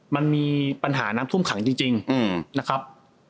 มันมีปัญหาน้ำท่วมขังจริงนะครับ